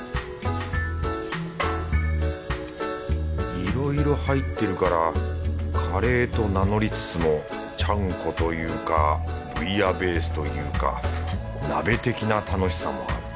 いろいろ入ってるからカレーと名乗りつつもちゃんこというかブイヤベースというか鍋的な楽しさもある。